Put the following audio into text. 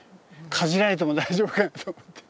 かじられても大丈夫かと思って。